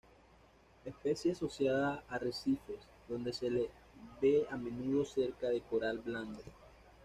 Especie asociada a arrecifes, donde se les ve a menudo cerca de coral blando.